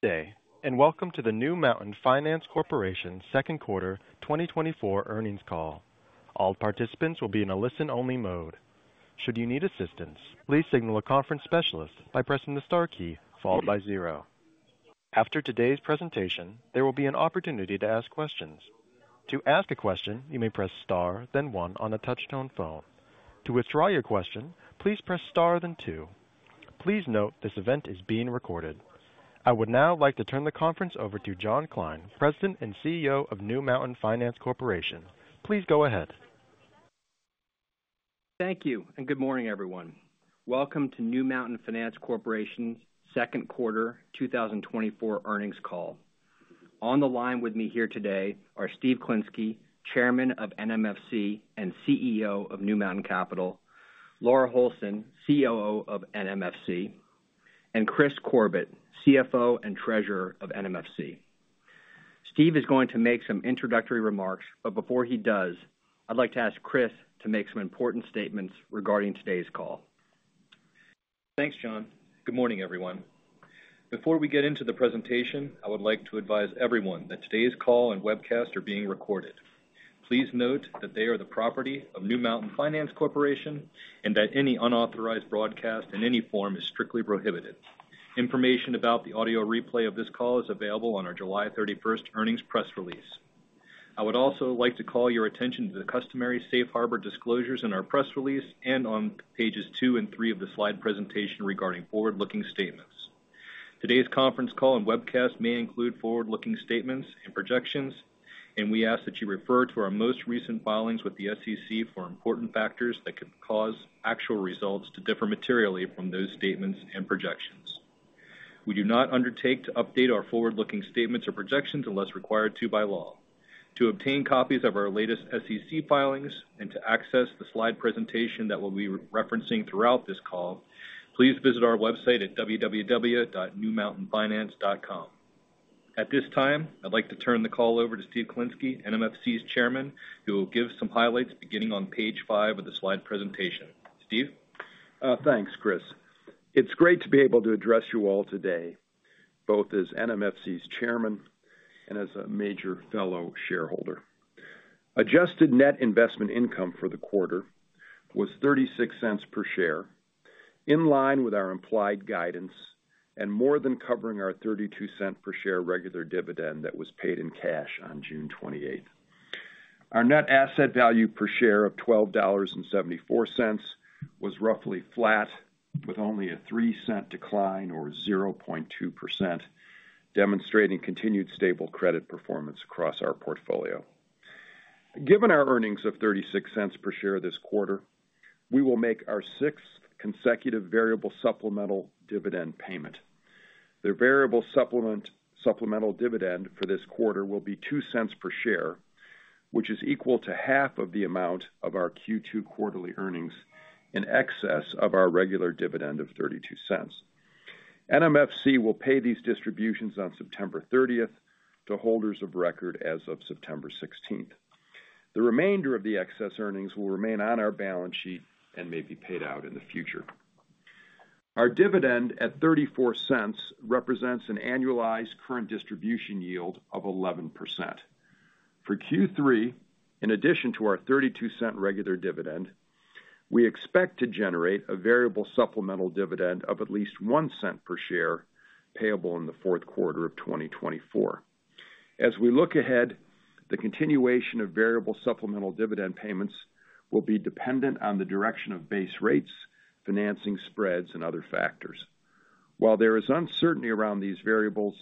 Today, and welcome to the New Mountain Finance Corporation second quarter 2024 earnings call. All participants will be in a listen-only mode. Should you need assistance, please signal a conference specialist by pressing the star key followed by zero. After today's presentation, there will be an opportunity to ask questions. To ask a question, you may press star, then one on a touch-tone phone. To withdraw your question, please press star, then two. Please note this event is being recorded. I would now like to turn the conference over to John Kline, President and CEO of New Mountain Finance Corporation. Please go ahead. Thank you, and good morning, everyone. Welcome to New Mountain Finance Corporation's second quarter 2024 earnings call. On the line with me here today are Steve Klinsky, Chairman of NMFC and CEO of New Mountain Capital; Laura Holson, COO of NMFC; and Kris Corbett, CFO and Treasurer of NMFC. Steve is going to make some introductory remarks, but before he does, I'd like to ask Kris to make some important statements regarding today's call. Thanks, John. Good morning, everyone. Before we get into the presentation, I would like to advise everyone that today's call and webcast are being recorded. Please note that they are the property of New Mountain Finance Corporation and that any unauthorized broadcast in any form is strictly prohibited. Information about the audio replay of this call is available on our July 31st earnings press release. I would also like to call your attention to the customary safe harbor disclosures in our press release and on Pages 2 and 3 of the slide presentation regarding forward-looking statements. Today's conference call and webcast may include forward-looking statements and projections, and we ask that you refer to our most recent filings with the SEC for important factors that could cause actual results to differ materially from those statements and projections. We do not undertake to update our forward-looking statements or projections unless required to by law. To obtain copies of our latest SEC filings and to access the slide presentation that we'll be referencing throughout this call, please visit our website at www.newmountainfinance.com. At this time, I'd like to turn the call over to Steve Klinsky, NMFC's Chairman, who will give some highlights beginning on page 5 of the slide presentation. Steve? Thanks, Kris. It's great to be able to address you all today, both as NMFC's Chairman and as a major fellow shareholder. Adjusted net investment income for the quarter was $0.36 per share, in line with our implied guidance and more than covering our $0.32 per share regular dividend that was paid in cash on June 28th. Our net asset value per share of $12.74 was roughly flat, with only a $0.03 decline or 0.2%, demonstrating continued stable credit performance across our portfolio. Given our earnings of $0.36 per share this quarter, we will make our sixth consecutive variable supplemental dividend payment. The variable supplemental dividend for this quarter will be $0.02 per share, which is equal to half of the amount of our Q2 quarterly earnings in excess of our regular dividend of $0.32. NMFC will pay these distributions on September 30th to holders of record as of September 16th. The remainder of the excess earnings will remain on our balance sheet and may be paid out in the future. Our dividend at $0.34 represents an annualized current distribution yield of 11%. For Q3, in addition to our $0.32 regular dividend, we expect to generate a variable supplemental dividend of at least $0.01 per share payable in the fourth quarter of 2024. As we look ahead, the continuation of variable supplemental dividend payments will be dependent on the direction of base rates, financing spreads, and other factors. While there is uncertainty around these variables,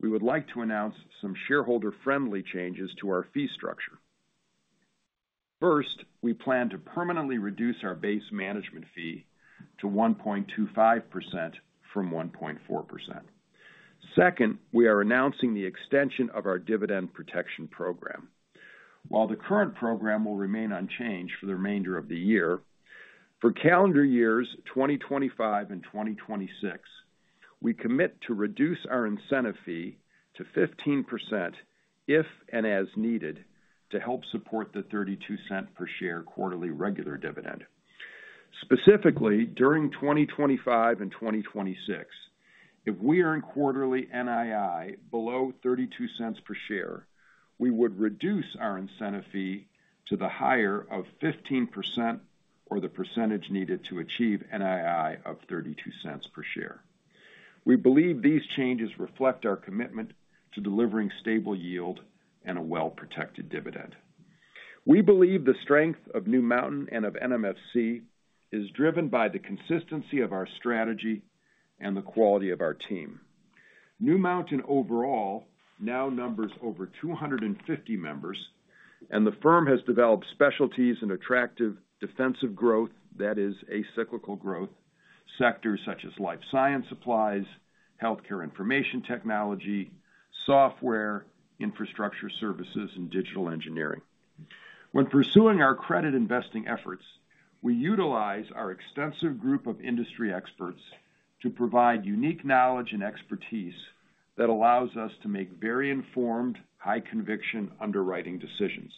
we would like to announce some shareholder-friendly changes to our fee structure. First, we plan to permanently reduce our base management fee to 1.25% from 1.4%. Second, we are announcing the extension of our dividend protection program. While the current program will remain unchanged for the remainder of the year, for calendar years 2025 and 2026, we commit to reduce our incentive fee to 15% if and as needed to help support the $0.32 per share quarterly regular dividend. Specifically, during 2025 and 2026, if we earn quarterly NII below $0.32 per share, we would reduce our incentive fee to the higher of 15% or the percentage needed to achieve NII of $0.32 per share. We believe these changes reflect our commitment to delivering stable yield and a well-protected dividend. We believe the strength of New Mountain and of NMFC is driven by the consistency of our strategy and the quality of our team. New Mountain overall now numbers over 250 members, and the firm has developed specialties in attractive defensive growth, that is, acyclical growth, sectors such as life science supplies, healthcare information technology, software, infrastructure services, and digital engineering. When pursuing our credit investing efforts, we utilize our extensive group of industry experts to provide unique knowledge and expertise that allows us to make very informed, high-conviction underwriting decisions.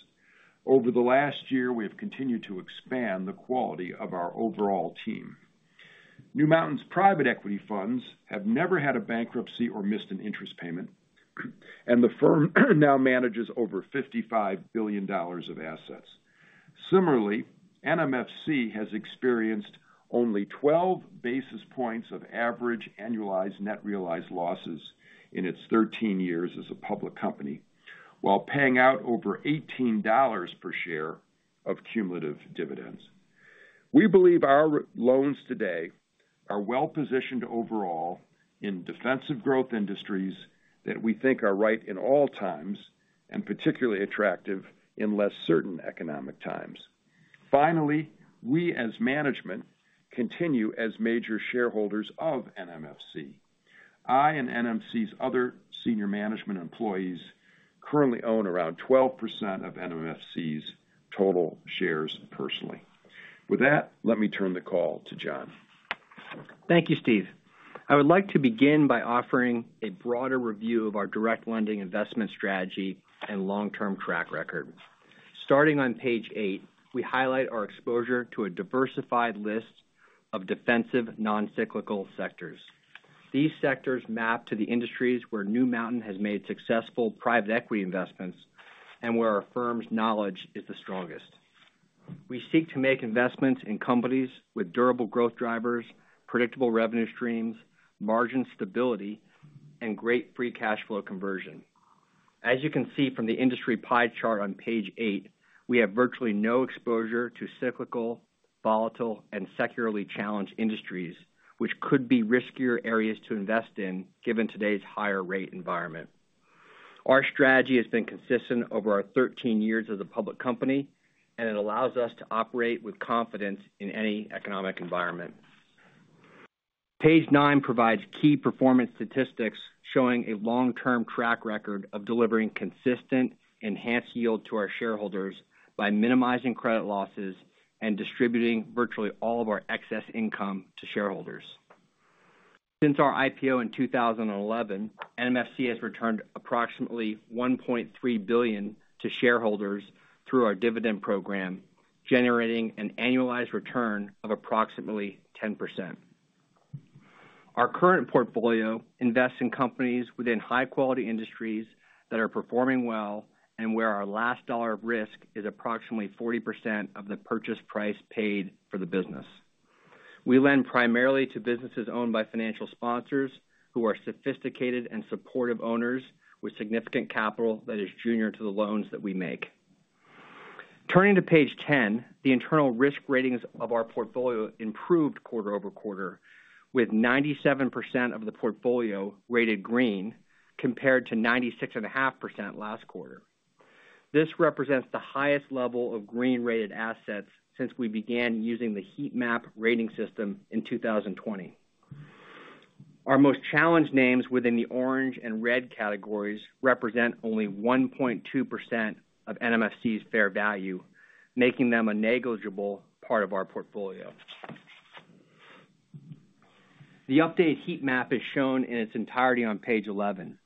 Over the last year, we have continued to expand the quality of our overall team. New Mountain's private equity funds have never had a bankruptcy or missed an interest payment, and the firm now manages over $55 billion of assets. Similarly, NMFC has experienced only 12 basis points of average annualized net realized losses in its 13 years as a public company, while paying out over $18 per share of cumulative dividends. We believe our loans today are well-positioned overall in defensive growth industries that we think are right in all times and particularly attractive in less certain economic times. Finally, we as management continue as major shareholders of NMFC. I and NMFC's other senior management employees currently own around 12% of NMFC's total shares personally. With that, let me turn the call to John. Thank you, Steve. I would like to begin by offering a broader review of our direct lending investment strategy and long-term track record. Starting on Page 8, we highlight our exposure to a diversified list of defensive non-cyclical sectors. These sectors map to the industries where New Mountain has made successful private equity investments and where our firm's knowledge is the strongest. We seek to make investments in companies with durable growth drivers, predictable revenue streams, margin stability, and great free cash flow conversion. As you can see from the industry pie chart on Page 8, we have virtually no exposure to cyclical, volatile, and structurally challenged industries, which could be riskier areas to invest in given today's higher-rate environment. Our strategy has been consistent over our 13 years as a public company, and it allows us to operate with confidence in any economic environment. Page nine provides key performance statistics showing a long-term track record of delivering consistent enhanced yield to our shareholders by minimizing credit losses and distributing virtually all of our excess income to shareholders. Since our IPO in 2011, NMFC has returned approximately $1.3 billion to shareholders through our dividend program, generating an annualized return of approximately 10%. Our current portfolio invests in companies within high-quality industries that are performing well and where our last dollar of risk is approximately 40% of the purchase price paid for the business. We lend primarily to businesses owned by financial sponsors who are sophisticated and supportive owners with significant capital that is junior to the loans that we make. Turning to Page 10, the internal risk ratings of our portfolio improved quarter-over-quarter, with 97% of the portfolio rated green compared to 96.5% last quarter. This represents the highest level of green-rated assets since we began using the Heat Map Rating System in 2020. Our most challenged names within the orange and red categories represent only 1.2% of NMFC's fair value, making them a negligible part of our portfolio. The updated heat map is shown in its entirety on Page 11.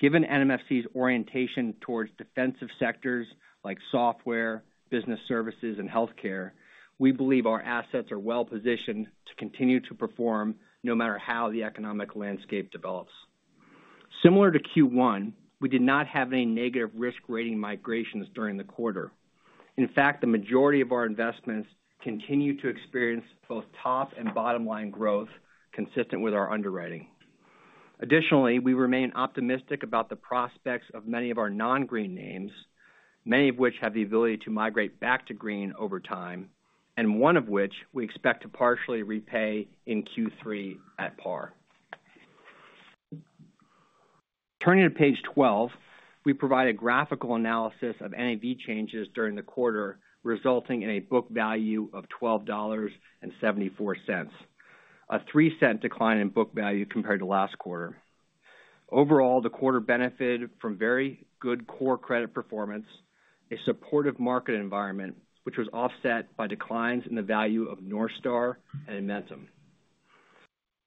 Given NMFC's orientation towards defensive sectors like software, business services, and healthcare, we believe our assets are well-positioned to continue to perform no matter how the economic landscape develops. Similar to Q1, we did not have any negative risk rating migrations during the quarter. In fact, the majority of our investments continue to experience both top and bottom line growth consistent with our underwriting. Additionally, we remain optimistic about the prospects of many of our non-green names, many of which have the ability to migrate back to green over time, and one of which we expect to partially repay in Q3 at par. Turning to Page 12, we provide a graphical analysis of NAV changes during the quarter, resulting in a book value of $12.74, a $0.03 decline in book value compared to last quarter. Overall, the quarter benefited from very good core credit performance, a supportive market environment, which was offset by declines in the value of NorthStar and Edmentum.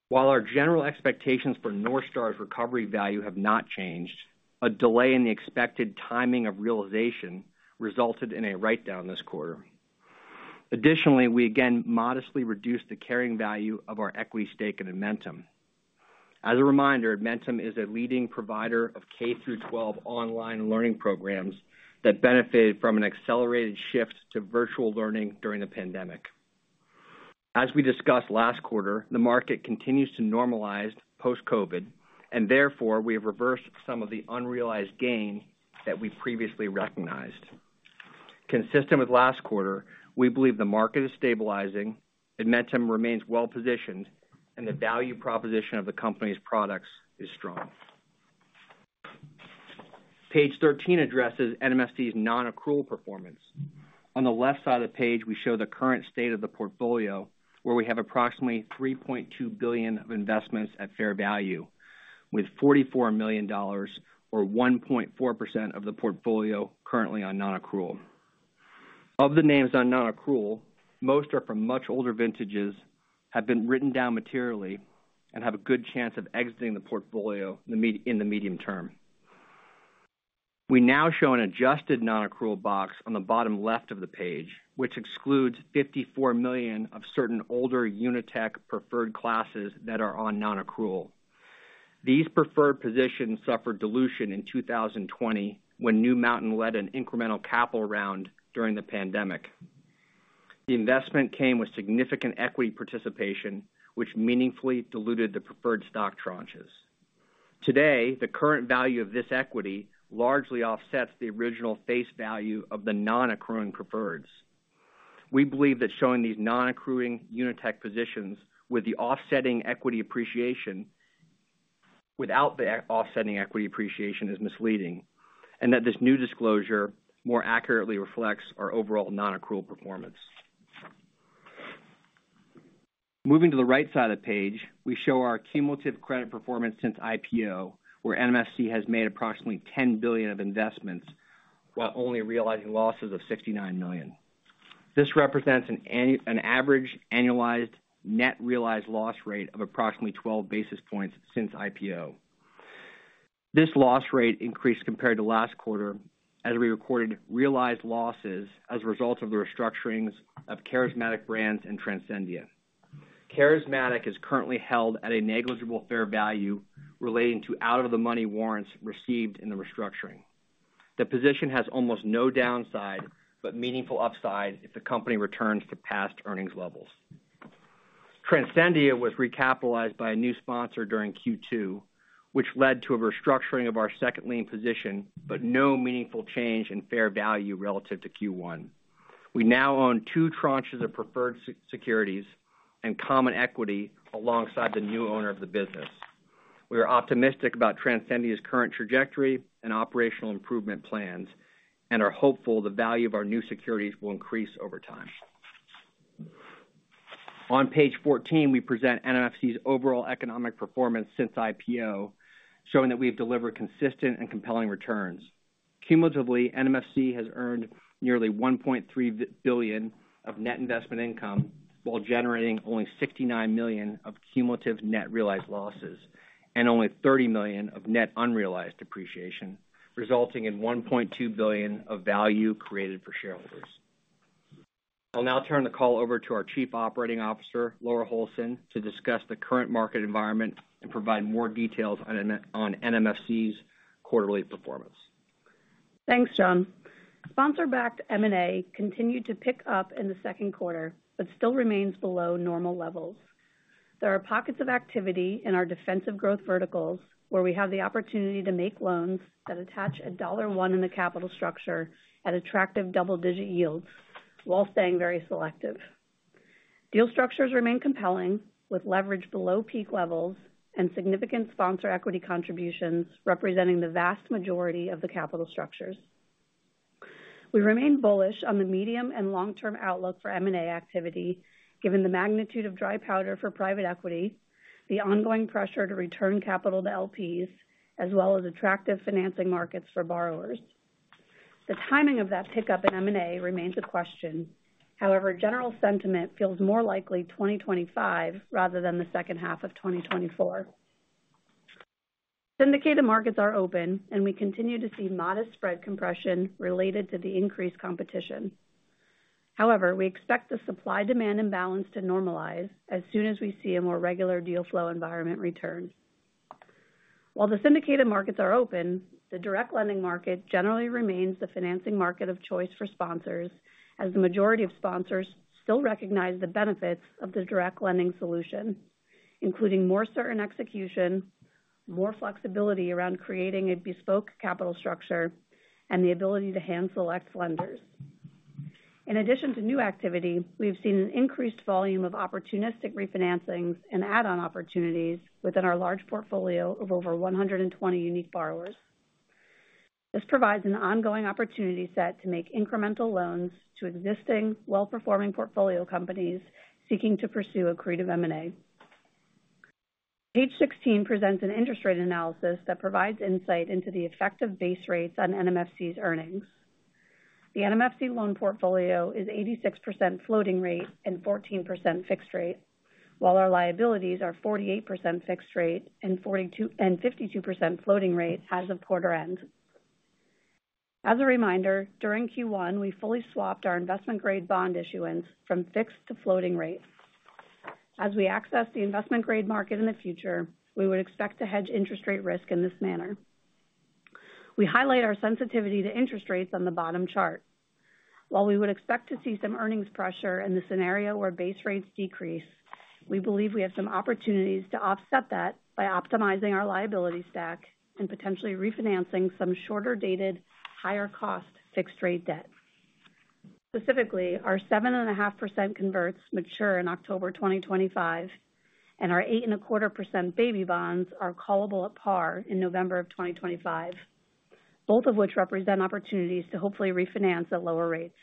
While our general expectations for NorthStar's recovery value have not changed, a delay in the expected timing of realization resulted in a write-down this quarter. Additionally, we again modestly reduced the carrying value of our equity stake in Edmentum. As a reminder, Edmentum is a leading provider of K through 12 online learning programs that benefited from an accelerated shift to virtual learning during the pandemic. As we discussed last quarter, the market continues to normalize post-COVID, and therefore we have reversed some of the unrealized gain that we previously recognized. Consistent with last quarter, we believe the market is stabilizing, Edmentum remains well-positioned, and the value proposition of the company's products is strong. Page 13 addresses NMFC's non-accrual performance. On the left side of the page, we show the current state of the portfolio, where we have approximately $3.2 billion of investments at fair value, with $44 million or 1.4% of the portfolio currently on non-accrual. Of the names on non-accrual, most are from much older vintages, have been written down materially, and have a good chance of exiting the portfolio in the medium term. We now show an adjusted non-accrual box on the bottom left of the page, which excludes $54 million of certain older UniTek preferred classes that are on non-accrual. These preferred positions suffered dilution in 2020 when New Mountain led an incremental capital round during the pandemic. The investment came with significant equity participation, which meaningfully diluted the preferred stock tranches. Today, the current value of this equity largely offsets the original face value of the non-accruing preferreds. We believe that showing these non-accruing UniTek positions with the offsetting equity appreciation without the offsetting equity appreciation is misleading, and that this new disclosure more accurately reflects our overall non-accrual performance. Moving to the right side of the page, we show our cumulative credit performance since IPO, where NMFC has made approximately $10 billion of investments while only realizing losses of $69 million. This represents an average annualized net realized loss rate of approximately 12 basis points since IPO. This loss rate increased compared to last quarter as we recorded realized losses as a result of the restructurings of Charismatic Brands and Transcendia. Charismatic is currently held at a negligible fair value relating to out-of-the-money warrants received in the restructuring. The position has almost no downside but meaningful upside if the company returns to past earnings levels. Transcendia was recapitalized by a new sponsor during Q2, which led to a restructuring of our second lien position, but no meaningful change in fair value relative to Q1. We now own two tranches of preferred securities and common equity alongside the new owner of the business. We are optimistic about Transcendia's current trajectory and operational improvement plans and are hopeful the value of our new securities will increase over time. On Page 14, we present NMFC's overall economic performance since IPO, showing that we have delivered consistent and compelling returns. Cumulatively, NMFC has earned nearly $1.3 billion of net investment income while generating only $69 million of cumulative net realized losses and only $30 million of net unrealized appreciation, resulting in $1.2 billion of value created for shareholders. I'll now turn the call over to our Chief Operating Officer, Laura Holson, to discuss the current market environment and provide more details on NMFC's quarterly performance. Thanks, John. Sponsor-backed M&A continued to pick up in the second quarter, but still remains below normal levels. There are pockets of activity in our defensive growth verticals where we have the opportunity to make loans that attach a $1 in the capital structure at attractive double-digit yields while staying very selective. Deal structures remain compelling with leverage below peak levels and significant sponsor equity contributions representing the vast majority of the capital structures. We remain bullish on the medium and long-term outlook for M&A activity given the magnitude of dry powder for private equity, the ongoing pressure to return capital to LPs, as well as attractive financing markets for borrowers. The timing of that pickup in M&A remains a question. However, general sentiment feels more likely 2025 rather than the second half of 2024. Syndicated markets are open, and we continue to see modest spread compression related to the increased competition. However, we expect the supply-demand imbalance to normalize as soon as we see a more regular deal flow environment return. While the syndicated markets are open, the direct lending market generally remains the financing market of choice for sponsors, as the majority of sponsors still recognize the benefits of the direct lending solution, including more certain execution, more flexibility around creating a bespoke capital structure, and the ability to hand-select lenders. In addition to new activity, we have seen an increased volume of opportunistic refinancings and add-on opportunities within our large portfolio of over 120 unique borrowers. This provides an ongoing opportunity set to make incremental loans to existing well-performing portfolio companies seeking to pursue a creative M&A. Page 16 presents an interest rate analysis that provides insight into the effective base rates on NMFC's earnings. The NMFC loan portfolio is 86% floating rate and 14% fixed rate, while our liabilities are 48% fixed rate and 52% floating rate as of quarter end. As a reminder, during Q1, we fully swapped our investment-grade bond issuance from fixed to floating rate. As we access the investment-grade market in the future, we would expect to hedge interest rate risk in this manner. We highlight our sensitivity to interest rates on the bottom chart. While we would expect to see some earnings pressure in the scenario where base rates decrease, we believe we have some opportunities to offset that by optimizing our liability stack and potentially refinancing some shorter-dated, higher-cost fixed-rate debt. Specifically, our 7.5% converts mature in October 2025, and our 8.25% baby bonds are callable at par in November of 2025, both of which represent opportunities to hopefully refinance at lower rates.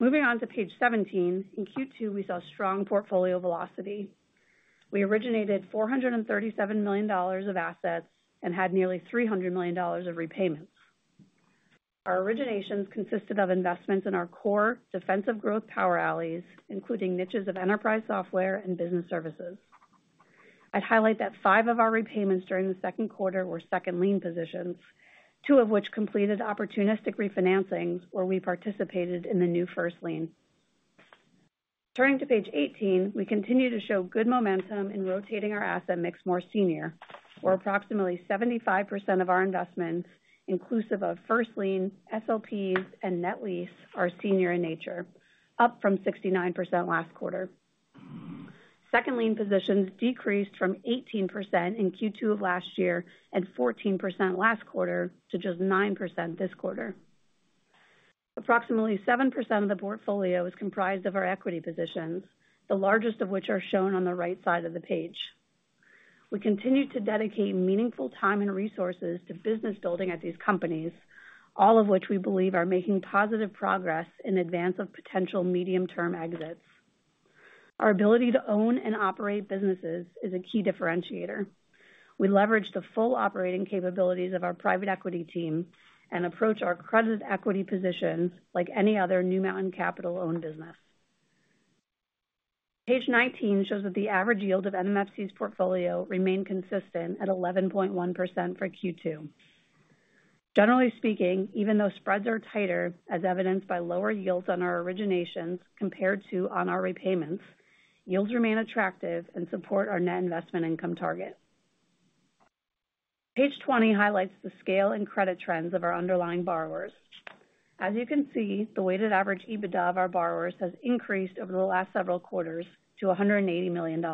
Moving on to Page 17, in Q2, we saw strong portfolio velocity. We originated $437 million of assets and had nearly $300 million of repayments. Our originations consisted of investments in our core defensive growth power alleys, including niches of enterprise software and business services. I'd highlight that five of our repayments during the second quarter were second lien positions, two of which completed opportunistic refinancings where we participated in the new first lien. Turning to Page 18, we continue to show good momentum in rotating our asset mix more senior, where approximately 75% of our investments, inclusive of first lien, SLPs, and net lease, are senior in nature, up from 69% last quarter. Second lien positions decreased from 18% in Q2 of last year and 14% last quarter to just 9% this quarter. Approximately 7% of the portfolio is comprised of our equity positions, the largest of which are shown on the right side of the page. We continue to dedicate meaningful time and resources to business building at these companies, all of which we believe are making positive progress in advance of potential medium-term exits. Our ability to own and operate businesses is a key differentiator. We leverage the full operating capabilities of our private equity team and approach our credit equity positions like any other New Mountain Capital-owned business. Page 19 shows that the average yield of NMFC's portfolio remained consistent at 11.1% for Q2. Generally speaking, even though spreads are tighter, as evidenced by lower yields on our originations compared to on our repayments, yields remain attractive and support our net investment income target. Page 20 highlights the scale and credit trends of our underlying borrowers. As you can see, the weighted average EBITDA of our borrowers has increased over the last several quarters to $180 million.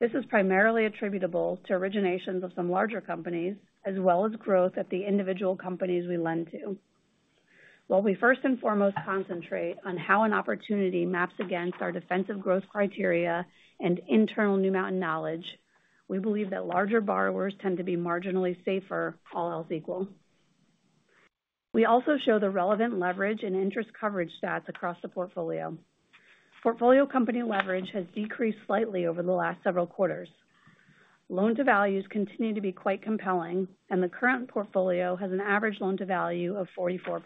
This is primarily attributable to originations of some larger companies as well as growth at the individual companies we lend to. While we first and foremost concentrate on how an opportunity maps against our defensive growth criteria and internal New Mountain knowledge, we believe that larger borrowers tend to be marginally safer, all else equal. We also show the relevant leverage and interest coverage stats across the portfolio. Portfolio company leverage has decreased slightly over the last several quarters. Loan-to-values continue to be quite compelling, and the current portfolio has an average loan-to-value of 44%.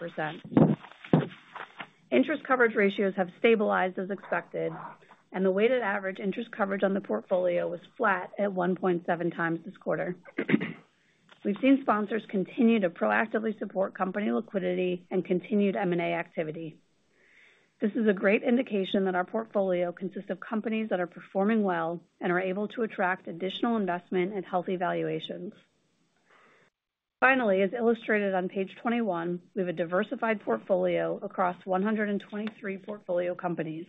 Interest coverage ratios have stabilized as expected, and the weighted average interest coverage on the portfolio was flat at 1.7x this quarter. We've seen sponsors continue to proactively support company liquidity and continued M&A activity. This is a great indication that our portfolio consists of companies that are performing well and are able to attract additional investment at healthy valuations. Finally, as illustrated on Page 21, we have a diversified portfolio across 123 portfolio companies.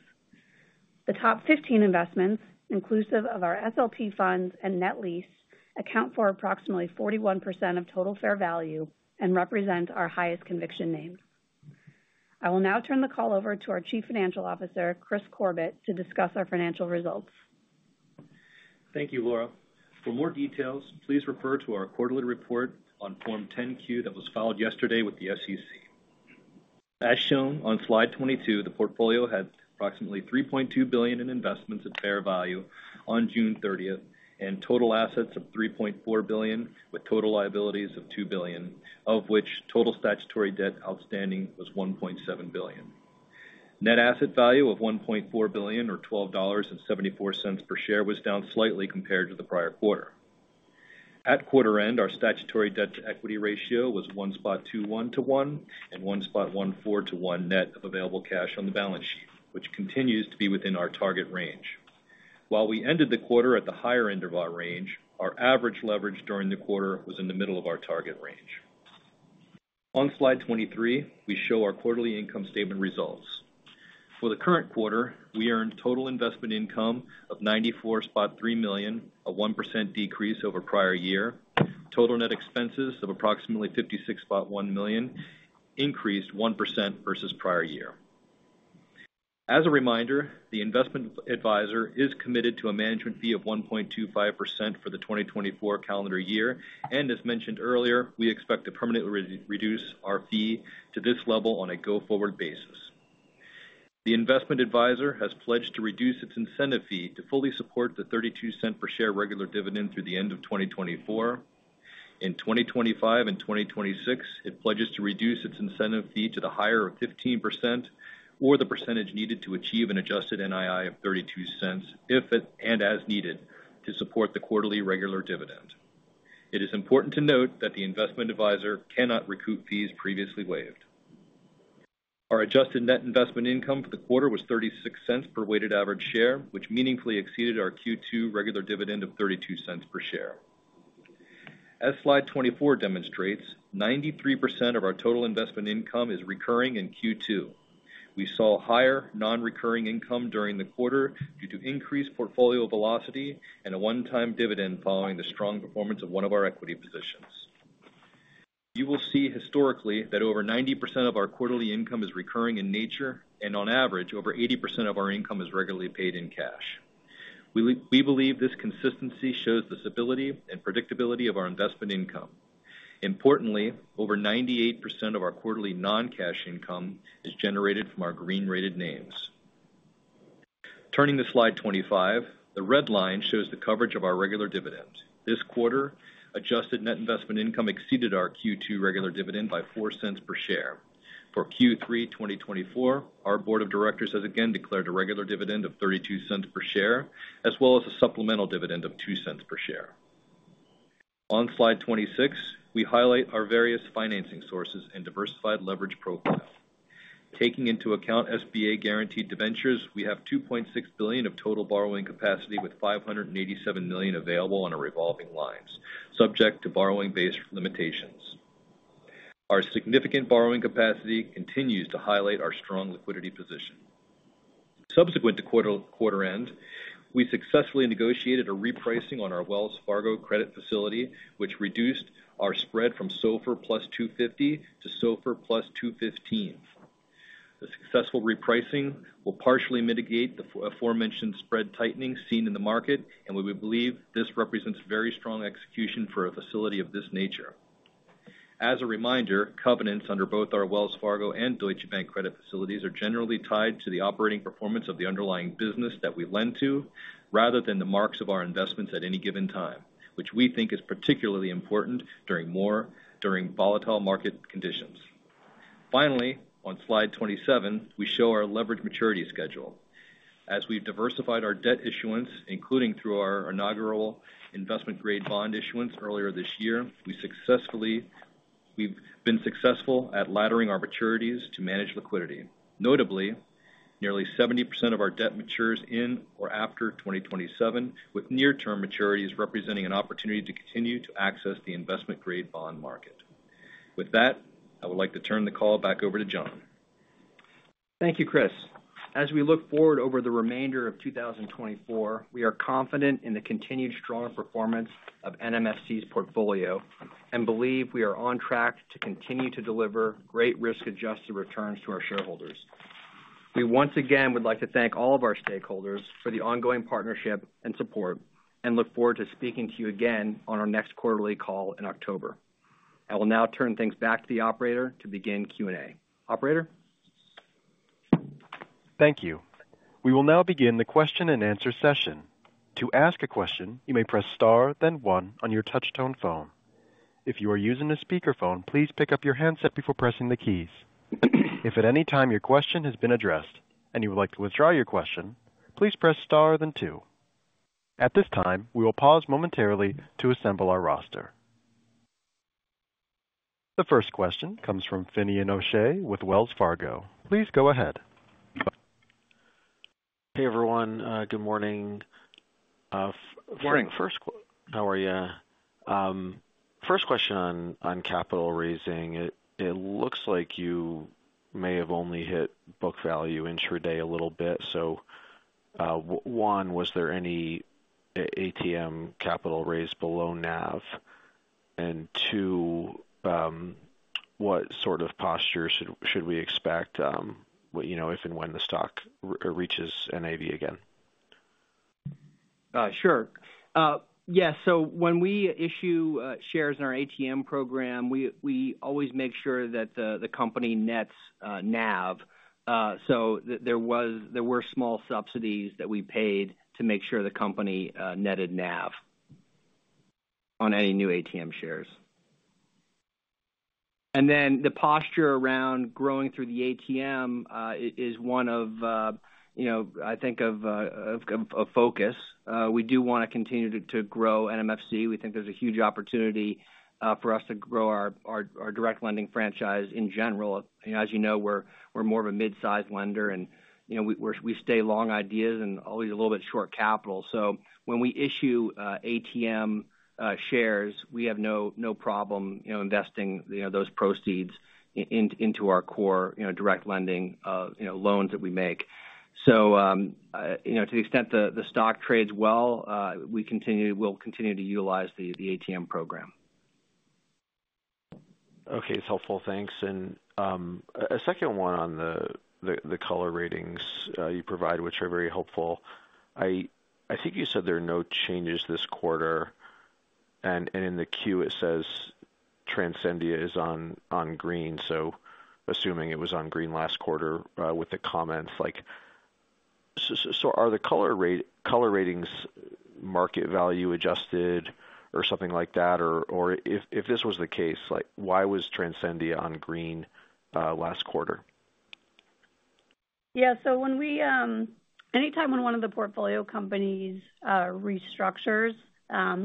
The top 15 investments, inclusive of our SLP funds and net lease, account for approximately 41% of total fair value and represent our highest conviction names. I will now turn the call over to our Chief Financial Officer, Kris Corbett, to discuss our financial results. Thank you, Laura. For more details, please refer to our quarterly report on Form 10Q that was filed yesterday with the SEC. As shown on Slide 22, the portfolio had approximately $3.2 billion in investments at fair value on June 30th and total assets of $3.4 billion, with total liabilities of $2 billion, of which total statutory debt outstanding was $1.7 billion. Net asset value of $1.4 billion, or $12.74 per share, was down slightly compared to the prior quarter. At quarter end, our statutory debt-to-equity ratio was 1.21 to 1 and 1.14 to 1 net of available cash on the balance sheet, which continues to be within our target range. While we ended the quarter at the higher end of our range, our average leverage during the quarter was in the middle of our target range. On Slide 23, we show our quarterly income statement results. For the current quarter, we earned total investment income of $94.3 million, a 1% decrease over prior year. Total net expenses of approximately $56.1 million increased 1% versus prior year. As a reminder, the investment advisor is committed to a management fee of 1.25% for the 2024 calendar year, and as mentioned earlier, we expect to permanently reduce our fee to this level on a go-forward basis. The investment advisor has pledged to reduce its incentive fee to fully support the $0.32 per share regular dividend through the end of 2024. In 2025 and 2026, it pledges to reduce its incentive fee to the higher of 15% or the percentage needed to achieve an adjusted NII of 32 cents and as needed to support the quarterly regular dividend. It is important to note that the investment advisor cannot recoup fees previously waived. Our adjusted net investment income for the quarter was $0.36 per weighted average share, which meaningfully exceeded our Q2 regular dividend of $0.32 per share. As Slide 24 demonstrates, 93% of our total investment income is recurring in Q2. We saw higher non-recurring income during the quarter due to increased portfolio velocity and a one-time dividend following the strong performance of one of our equity positions. You will see historically that over 90% of our quarterly income is recurring in nature, and on average, over 80% of our income is regularly paid in cash. We believe this consistency shows the stability and predictability of our investment income. Importantly, over 98% of our quarterly non-cash income is generated from our green-rated names. Turning to Slide 25, the red line shows the coverage of our regular dividend. This quarter, adjusted net investment income exceeded our Q2 regular dividend by $0.04 per share. For Q3 2024, our board of directors has again declared a regular dividend of $0.32 per share, as well as a supplemental dividend of $0.02 per share. On Slide 26, we highlight our various financing sources and diversified leverage profile. Taking into account SBA guaranteed debentures, we have $2.6 billion of total borrowing capacity with $587 million available on our revolving lines, subject to borrowing-based limitations. Our significant borrowing capacity continues to highlight our strong liquidity position. Subsequent to quarter end, we successfully negotiated a repricing on our Wells Fargo credit facility, which reduced our spread from SOFR +250 to SOFR +215. The successful repricing will partially mitigate the aforementioned spread tightening seen in the market, and we believe this represents very strong execution for a facility of this nature. As a reminder, covenants under both our Wells Fargo and Deutsche Bank credit facilities are generally tied to the operating performance of the underlying business that we lend to, rather than the marks of our investments at and given time, which we think is particularly important during volatile market conditions. Finally, on Slide 27, we show our leverage maturity schedule. As we've diversified our debt issuance, including through our inaugural investment-grade bond issuance earlier this year, we've been successful at laddering our maturities to manage liquidity. Notably, nearly 70% of our debt matures in or after 2027, with near-term maturities representing an opportunity to continue to access the investment-grade bond market. With that, I would like to turn the call back over to John. Thank you, Kris. As we look forward over the remainder of 2024, we are confident in the continued strong performance of NMFC's portfolio and believe we are on track to continue to deliver great risk-adjusted returns to our shareholders. We once again would like to thank all of our stakeholders for the ongoing partnership and support and look forward to speaking to you again on our next quarterly call in October. I will now turn things back to the operator to begin Q&A. Operator? Thank you. We will now begin the question-and-answer session. To ask a question, you may press star, then one on your touch-tone phone. If you are using a speakerphone, please pick up your handset before pressing the keys. If at any time your question has been addressed and you would like to withdraw your question, please press star, then two. At this time, we will pause momentarily to assemble our roster. The first question comes from Finian O'Shea with Wells Fargo. Please go ahead. Hey, everyone. Good morning. Morning. First question. How are you? First question on capital raising. It looks like you may have only hit book value intraday a little bit. So one, was there any ATM capital raised below NAV? And two, what sort of posture should we expect if and when the stock reaches NAV again? Sure. Yeah. So when we issue shares in our ATM program, we always make sure that the company nets NAV. So there were small subsidies that we paid to make sure the company netted NAV on any new ATM shares. And then the posture around growing through the ATM is one of, I think, of focus. We do want to continue to grow NMFC. We think there's a huge opportunity for us to grow our direct lending franchise in general. As you know, we're more of a mid-sized lender, and we stay long ideas and always a little bit short capital. So when we issue ATM shares, we have no problem investing those proceeds into our core direct lending loans that we make. So to the extent the stock trades well, we will continue to utilize the ATM program. Okay. It's helpful. Thanks. And a second one on the color ratings you provide, which are very helpful. I think you said there are no changes this quarter. And in the queue, it says Transcendia is on green. So assuming it was on green last quarter with the comments like, "So are the color ratings market value adjusted or something like that?" Or if this was the case, why was Transcendia on green last quarter? Yeah. So anytime when one of the portfolio companies restructures,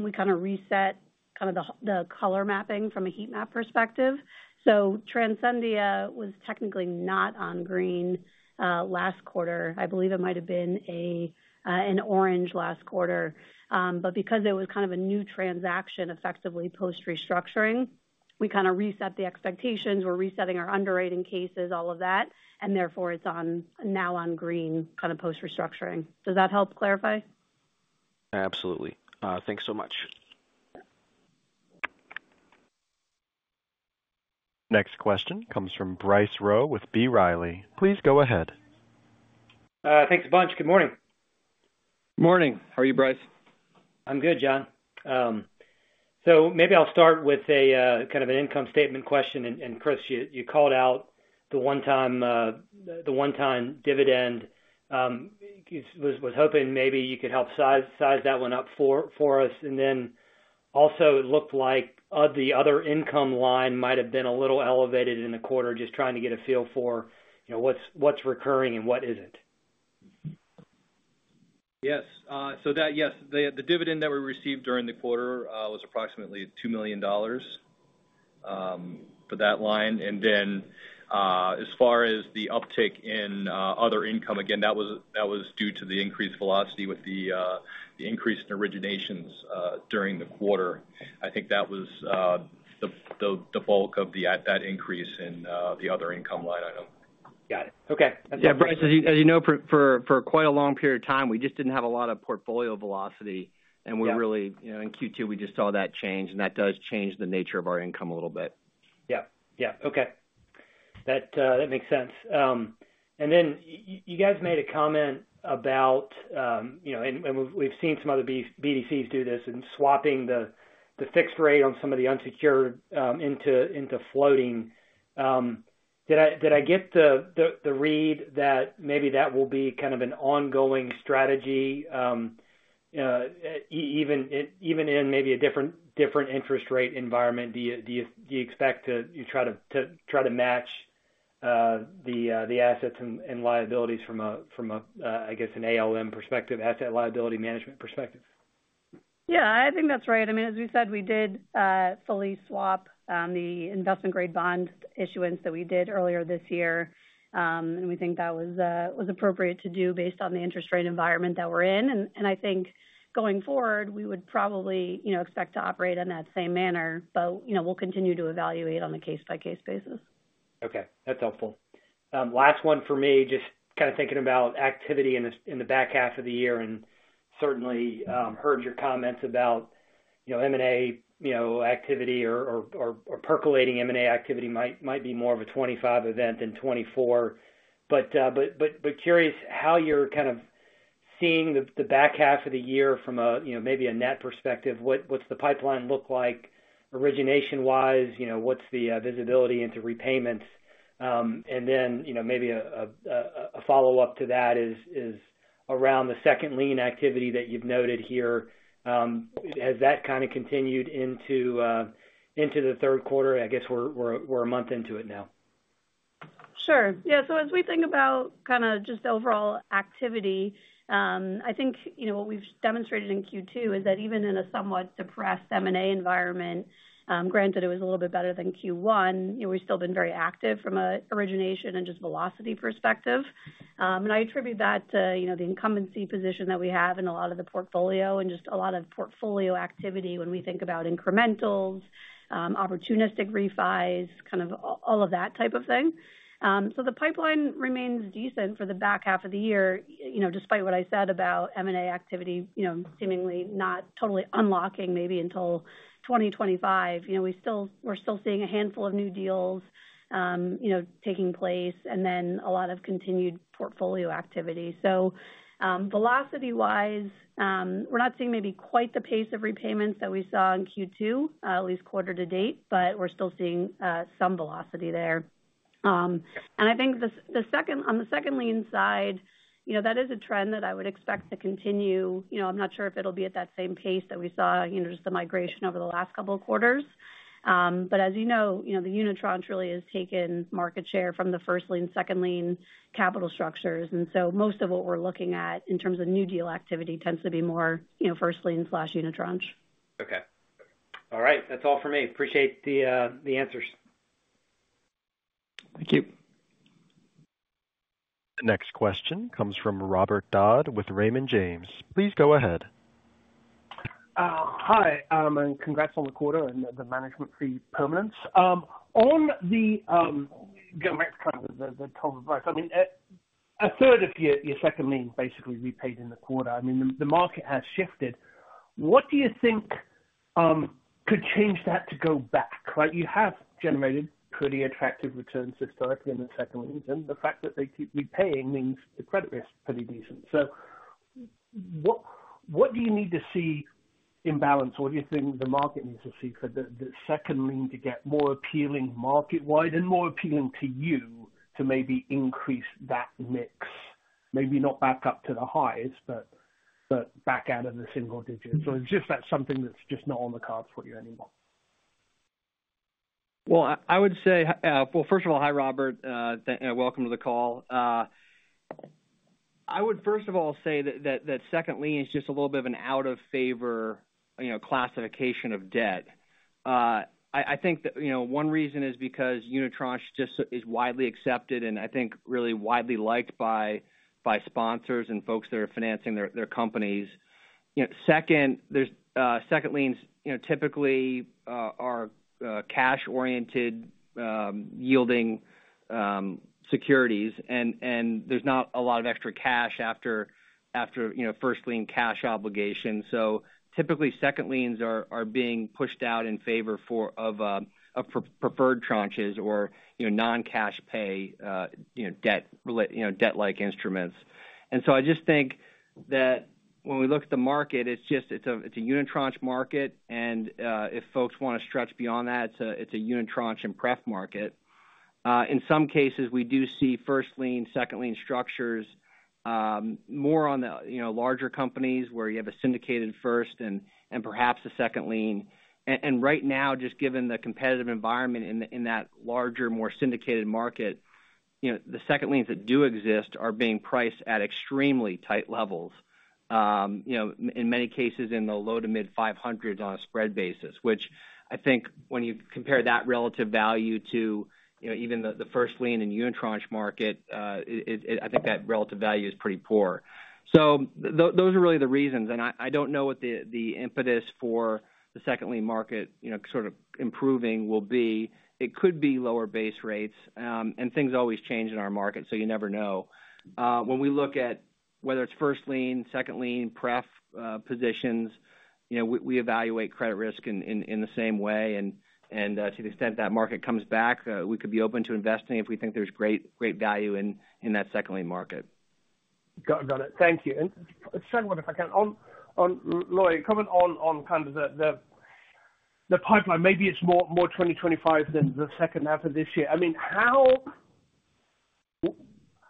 we kind of reset kind of the color mapping from a heat map perspective. So Transcendia was technically not on green last quarter. I believe it might have been an orange last quarter. But because it was kind of a new transaction, effectively post-restructuring, we kind of reset the expectations. We're resetting our underwriting cases, all of that, and therefore it's now on green kind of post-restructuring. Does that help clarify? Absolutely. Thanks so much. Next question comes from Bryce Rowe with B. Riley. Please go ahead. Thanks a bunch. Good morning. Good morning. How are you, Bryce? I'm good, John. So maybe I'll start with kind of an income statement question. And Kris, you called out the one-time dividend. I was hoping maybe you could help size that one up for us. And then also it looked like the other income line might have been a little elevated in the quarter, just trying to get a feel for what's recurring and what isn't. Yes. So yes, the dividend that we received during the quarter was approximately $2 million for that line. And then as far as the uptick in other income, again, that was due to the increased velocity with the increase in originations during the quarter. I think that was the bulk of that increase in the other income line item. Got it. Okay. Yeah. Bryce, as you know, for quite a long period of time, we just didn't have a lot of portfolio velocity. And in Q2, we just saw that change. And that does change the nature of our income a little bit. Yep. Yeah. Okay. That makes sense. And then you guys made a comment about, and we've seen some other BDCs do this, and swapping the fixed rate on some of the unsecured into floating. Did I get the read that maybe that will be kind of an ongoing strategy even in maybe a different interest rate environment? Do you expect to try to match the assets and liabilities from, I guess, an ALM perspective, asset liability management perspective? Yeah. I think that's right. I mean, as we said, we did fully swap the investment-grade bond issuance that we did earlier this year. And we think that was appropriate to do based on the interest rate environment that we're in. And I think going forward, we would probably expect to operate in that same manner. But we'll continue to evaluate on a case-by-case basis. Okay. That's helpful. Last one for me, just kind of thinking about activity in the back half of the year. And certainly heard your comments about M&A activity or percolating M&A activity might be more of a 2025 event than 2024. But curious how you're kind of seeing the back half of the year from maybe a net perspective. What's the pipeline look like origination-wise? What's the visibility into repayments? And then maybe a follow-up to that is around the second lien activity that you've noted here. Has that kind of continued into the third quarter? I guess we're a month into it now. Sure. Yeah. So as we think about kind of just the overall activity, I think what we've demonstrated in Q2 is that even in a somewhat depressed M&A environment, granted it was a little bit better than Q1, we've still been very active from an origination and just velocity perspective. And I attribute that to the incumbency position that we have in a lot of the portfolio and just a lot of portfolio activity when we think about incrementals, opportunistic refis, kind of all of that type of thing. So the pipeline remains decent for the back half of the year, despite what I said about M&A activity seemingly not totally unlocking maybe until 2025. We're still seeing a handful of new deals taking place and then a lot of continued portfolio activity. So velocity-wise, we're not seeing maybe quite the pace of repayments that we saw in Q2, at least quarter to date, but we're still seeing some velocity there. And I think on the second lien side, that is a trend that I would expect to continue. I'm not sure if it'll be at that same pace that we saw just the migration over the last couple of quarters. But as you know, the unitranche truly has taken market share from the first lien, second lien capital structures. And so most of what we're looking at in terms of new deal activity tends to be more first lien/unitranche. Okay. All right. That's all for me. Appreciate the answers. Thank you. Next question comes from Robert Dodd with Raymond James. Please go ahead. Hi. Congrats on the quarter and the management fee permanence. On top of that, I mean, a third of your second lien basically repaid in the quarter. I mean, the market has shifted. What do you think could change that to go back? You have generated pretty attractive returns historically in the second lien. And the fact that they keep repaying means the credit risk is pretty decent. So what do you need to see in balance? What do you think the market needs to see for the second lien to get more appealing market-wide and more appealing to you to maybe increase that mix? Maybe not back up to the highest, but back out of the single digits. Or is just that something that's just not on the cards for you anymore? Well, I would say, well, first of all, hi, Robert. Welcome to the call. I would, first of all, say that second lien is just a little bit of an out-of-favor classification of debt. I think one reason is because unitranche just is widely accepted and I think really widely liked by sponsors and folks that are financing their companies. Second, second liens typically are cash-oriented yielding securities, and there's not a lot of extra cash after first lien cash obligations. So typically, second liens are being pushed out in favor of preferred tranches or non-cash pay debt-like instruments. And so I just think that when we look at the market, it's a unitranche market. And if folks want to stretch beyond that, it's a unitranche and pref market. In some cases, we do see first lien, second lien structures more on the larger companies where you have a syndicated first and perhaps a second lien. Right now, just given the competitive environment in that larger, more syndicated market, the second liens that do exist are being priced at extremely tight levels, in many cases in the low- to mid-500s on a spread basis, which I think when you compare that relative value to even the first lien and unitranche market, I think that relative value is pretty poor. Those are really the reasons. I don't know what the impetus for the second lien market sort of improving will be. It could be lower base rates. Things always change in our market, so you never know. When we look at whether it's first lien, second lien, pref positions, we evaluate credit risk in the same way. And to the extent that market comes back, we could be open to investing if we think there's great value in that second lien market. Got it. Thank you. Second one, if I can, Laura, comment on kind of the pipeline. Maybe it's more 2025 than the second half of this year. I mean,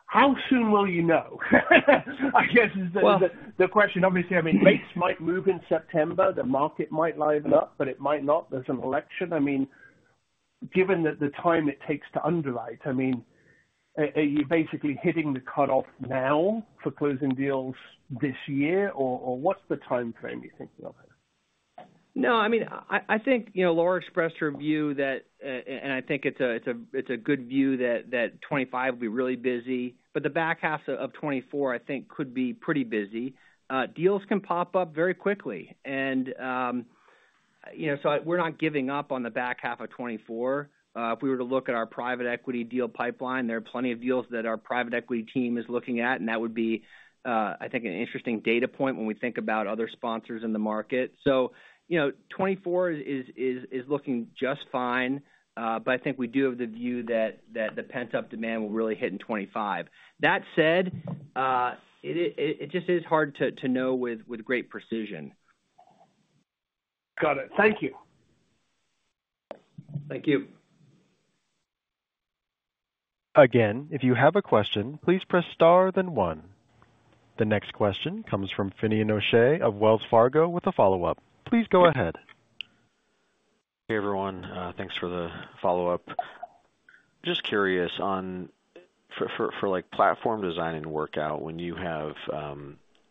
how soon will you know? I guess is the question. Obviously, I mean, rates might move in September. The market might live up, but it might not. There's an election. I mean, given the time it takes to underwrite, I mean, are you basically hitting the cutoff now for closing deals this year? Or what's the timeframe you're thinking of? No, I mean, I think Laura expressed her view that, and I think it's a good view that 2025 will be really busy. But the back half of 2024, I think, could be pretty busy. Deals can pop up very quickly. And so we're not giving up on the back half of 2024. If we were to look at our private equity deal pipeline, there are plenty of deals that our private equity team is looking at. And that would be, I think, an interesting data point when we think about other sponsors in the market. So 2024 is looking just fine. But I think we do have the view that the pent-up demand will really hit in 2025. That said, it just is hard to know with great precision. Got it. Thank you. Thank you. Again, if you have a question, please press star then one. The next question comes from Finian O'Shea of Wells Fargo with a follow-up. Please go ahead. Hey, everyone. Thanks for the follow-up. Just curious on the platform design and workout, when you have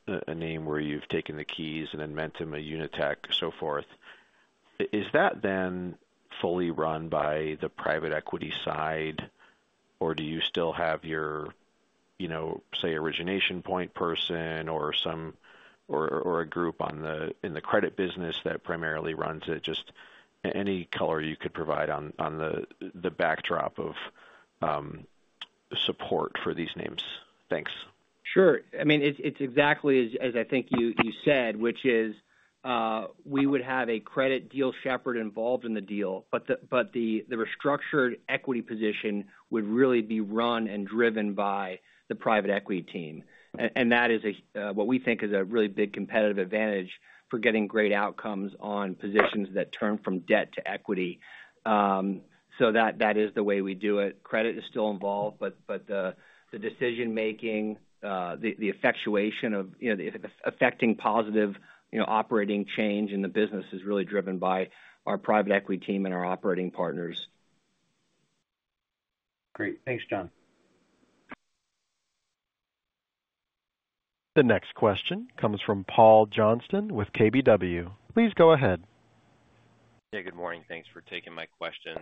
a name where you've taken the keys and then mentored them at UniTek so forth, is that then fully run by the private equity side? Or do you still have your, say, origination point person or a group in the credit business that primarily runs it? Just any color you could provide on the backdrop of support for these names. Thanks. Sure. I mean, it's exactly as I think you said, which is we would have a credit deal shepherd involved in the deal. But the restructured equity position would really be run and driven by the private equity team. And that is what we think is a really big competitive advantage for getting great outcomes on positions that turn from debt to equity. So that is the way we do it. Credit is still involved. But the decision-making, the effectuation of affecting positive operating change in the business is really driven by our private equity team and our operating partners. Great. Thanks, John. The next question comes from Paul Johnson with KBW. Please go ahead. Hey, good morning. Thanks for taking my question.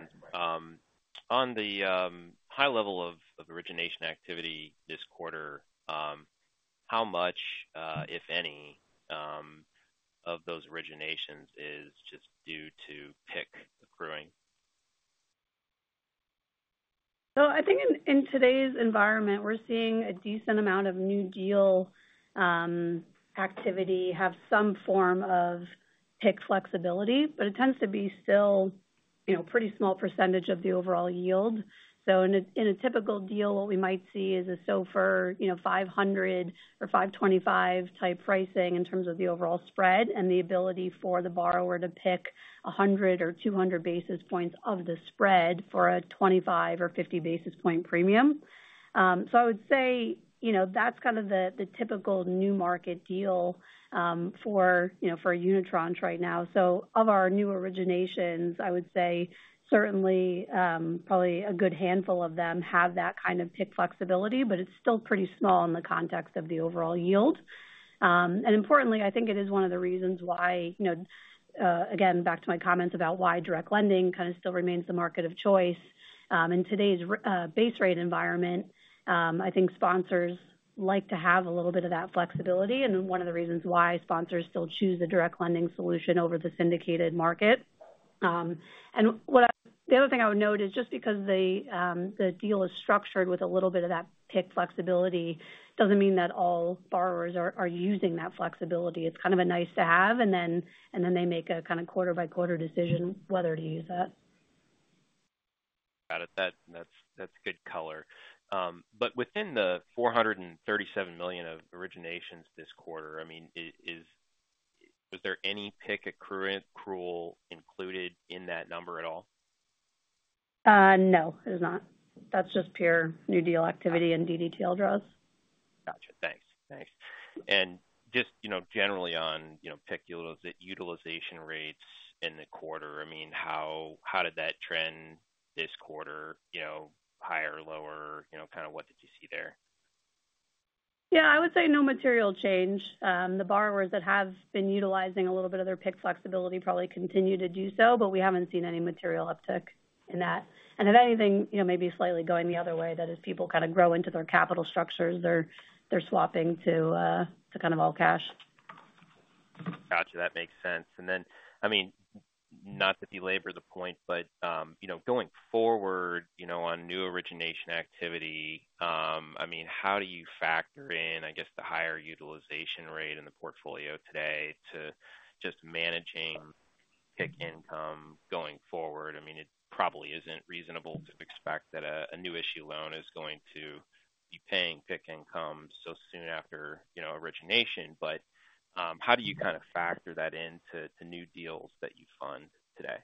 On the high level of origination activity this quarter, how much, if any, of those originations is just due to PIK accruing? So I think in today's environment, we're seeing a decent amount of new deal activity have some form of PIK flexibility. But it tends to be still a pretty small percentage of the overall yield. So in a typical deal, what we might see is a SOFR 500 or 525-type pricing in terms of the overall spread and the ability for the borrower to pick 100 or 200 basis points of the spread for a 25 or 50 basis point premium. So I would say that's kind of the typical new market deal for UniTek right now. So of our new originations, I would say certainly probably a good handful of them have that kind of PIK flexibility. But it's still pretty small in the context of the overall yield. Importantly, I think it is one of the reasons why, again, back to my comments about why direct lending kind of still remains the market of choice. In today's base rate environment, I think sponsors like to have a little bit of that flexibility. And one of the reasons why sponsors still choose the direct lending solution over the syndicated market. And the other thing I would note is just because the deal is structured with a little bit of that PIK flexibility doesn't mean that all borrowers are using that flexibility. It's kind of a nice-to-have. And then they make a kind of quarter-by-quarter decision whether to use that. Got it. That's good color. But within the $437 million of originations this quarter, I mean, was there any PIK accrual included in that number at all? No, there's not. That's just pure new deal activity and DDTL draws. Gotcha. Thanks. Thanks. And just generally on PIK utilization rates in the quarter, I mean, how did that trend this quarter? Higher, lower, kind of what did you see there? Yeah. I would say no material change. The borrowers that have been utilizing a little bit of their PIK flexibility probably continue to do so. But we haven't seen any material uptick in that. And if anything, maybe slightly going the other way that as people kind of grow into their capital structures, they're swapping to kind of all cash. Gotcha. That makes sense. And then, I mean, not to belabor the point, but going forward on new origination activity, I mean, how do you factor in, I guess, the higher utilization rate in the portfolio today to just managing PIK income going forward? I mean, it probably isn't reasonable to expect that a new issue loan is going to be paying PIK income so soon after origination. But how do you kind of factor that into new deals that you fund today?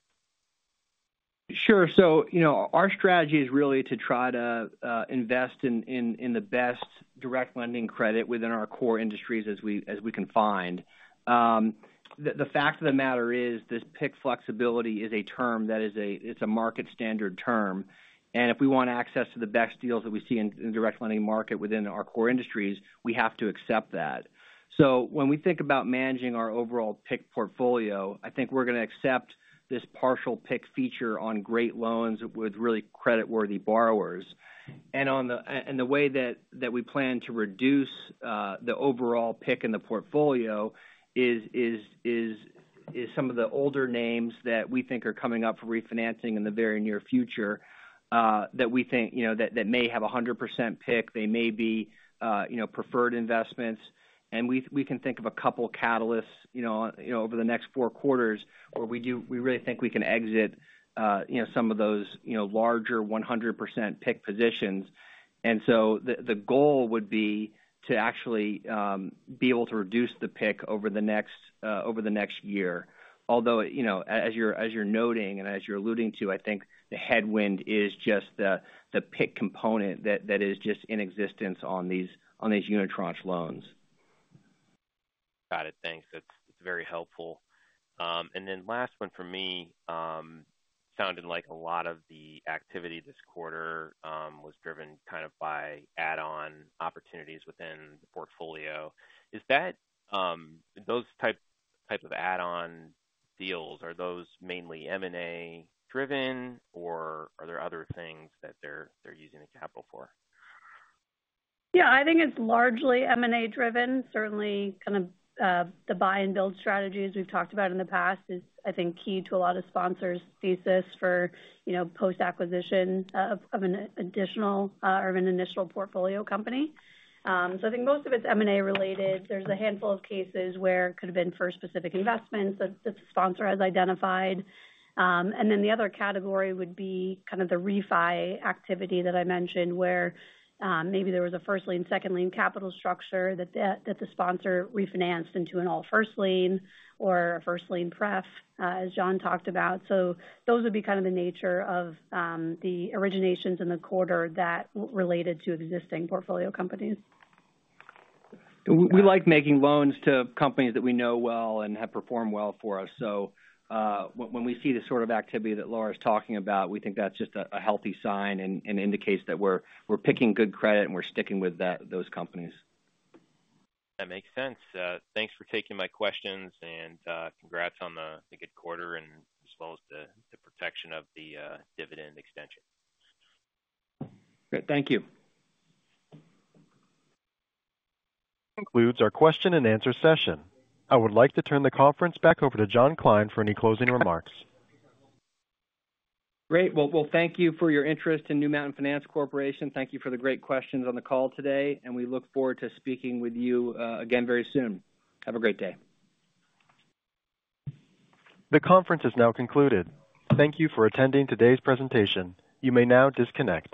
Sure. So our strategy is really to try to invest in the best direct lending credit within our core industries as we can find. The fact of the matter is this PIK flexibility is a term that is a market standard term. And if we want access to the best deals that we see in the direct lending market within our core industries, we have to accept that. So when we think about managing our overall PIK portfolio, I think we're going to accept this partial PIK feature on great loans with really credit-worthy borrowers. And the way that we plan to reduce the overall PIK in the portfolio is some of the older names that we think are coming up for refinancing in the very near future that we think that may have 100% PIK. They may be preferred investments. We can think of a couple of catalysts over the next four quarters where we really think we can exit some of those larger 100% PIK positions. So the goal would be to actually be able to reduce the PIK over the next year. Although, as you're noting and as you're alluding to, I think the headwind is just the PIK component that is just in existence on these unitranche loans. Got it. Thanks. That's very helpful. And then last one for me, sounding like a lot of the activity this quarter was driven kind of by add-on opportunities within the portfolio. Those types of add-on deals, are those mainly M&A-driven? Or are there other things that they're using the capital for? Yeah. I think it's largely M&A-driven. Certainly, kind of the buy-and-build strategies we've talked about in the past is, I think, key to a lot of sponsors' thesis for post-acquisition of an additional or an initial portfolio company. So I think most of it's M&A-related. There's a handful of cases where it could have been for specific investments that the sponsor has identified. And then the other category would be kind of the refi activity that I mentioned where maybe there was a first lien, second lien capital structure that the sponsor refinanced into an all first lien or a first lien Pref, as John talked about. So those would be kind of the nature of the originations in the quarter that related to existing portfolio companies. We like making loans to companies that we know well and have performed well for us. So when we see the sort of activity that Laura is talking about, we think that's just a healthy sign and indicates that we're picking good credit and we're sticking with those companies. That makes sense. Thanks for taking my questions. Congrats on the good quarter as well as the protection of the dividend extension. Great. Thank you. Concludes our question-and-answer session. I would like to turn the conference back over to John Kline for any closing remarks. Great. Well, thank you for your interest in New Mountain Finance Corporation. Thank you for the great questions on the call today. We look forward to speaking with you again very soon. Have a great day. The conference is now concluded. Thank you for attending today's presentation. You may now disconnect.